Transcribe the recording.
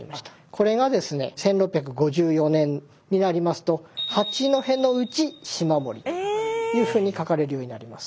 これがですね１６５４年になりますと「八戸ノ内嶋森」というふうに書かれるようになります。